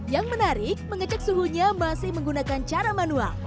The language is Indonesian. yang menarik mengecek suhunya masih menggunakan cara manual